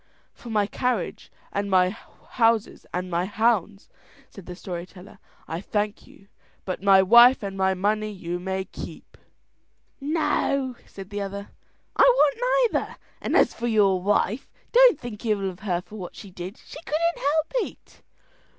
"For my carriage and my houses and my hounds," said the story teller, "I thank you; but my wife and my money you may keep." "No," said the other. "I want neither, and as for your wife, don't think ill of her for what she did, she couldn't help it."